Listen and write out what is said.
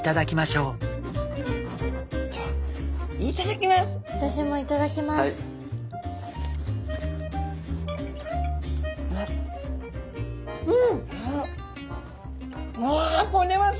うん。